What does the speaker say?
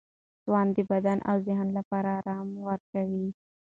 سونا د بدن او ذهن لپاره آرام ورکوي.